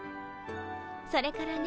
それからね